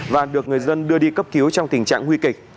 và được người dân đưa đi cấp cứu trong tình trạng nguy kịch